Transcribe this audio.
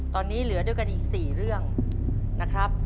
ตอนนี้เหลือด้วยกันอีก๔เรื่องนะครับ